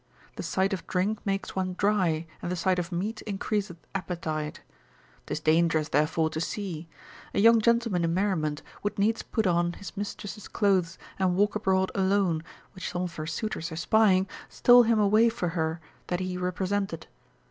The sight of drink makes one dry, and the sight of meat increaseth appetite. 'Tis dangerous therefore to see. A young gentleman in merriment would needs put on his mistress's clothes, and walk abroad alone, which some of her suitors espying, stole him away for her that he represented.